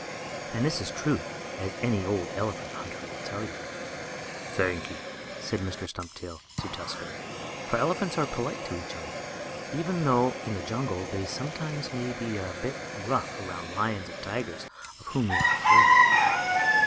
And this is true, as any old elephant hunter will tell you. "Thank you," said Mr. Stumptail, to Tusker; for elephants are polite to each other, even though, in the jungle, they sometimes may be a bit rough toward lions and tigers, of whom they are afraid.